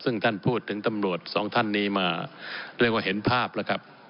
ซึ่งท่านพูดถึงตำรวจสองท่านนี้มาเรียกว่าเห็นภาพแล้วครับ